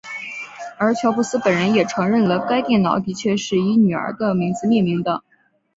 而乔布斯本人也承认了该电脑的确是以女儿的名字命名的。